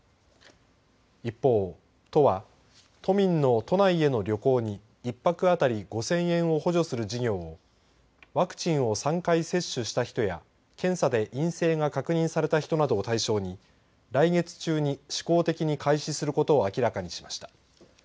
一方、都は都民の都内への旅行に１泊当たり５０００円を補助する事業をワクチンを３回接種した人や検査で陰性が確認された人などを対象に来月中に試行的に開始することを明らかにしました。